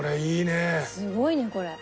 すごいねこれ。